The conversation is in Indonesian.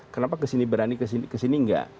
kenapa kesini berani kesini enggak